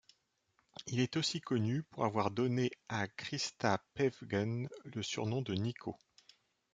Il est aussi connu pour avoir donné à Christa Päffgen le surnom de Nico.